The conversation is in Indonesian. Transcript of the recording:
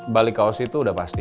balik ke aussie itu sudah pasti